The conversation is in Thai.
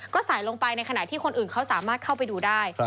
ก็ใส่ลงไปในขณะที่คนอื่นเขาสามารถเข้าไปดูได้